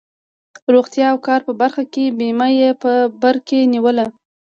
روغتیا او کار په برخه کې بیمه یې په بر کې نیوله.